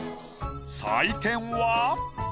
採点は。